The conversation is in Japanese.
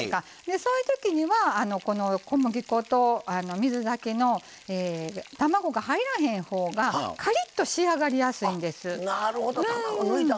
そういうときには小麦粉と水だけの卵が入らへんほうがかりっと仕上がりやすいんです。